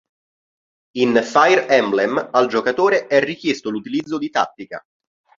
In Fire Emblem al giocatore è richiesto l'utilizzo di tattica.